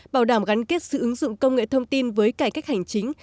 bảo đảm gắn kết sự ứng dụng công nghệ thông tin với cải cách hành chính